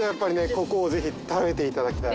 ここをぜひ食べていただきたい。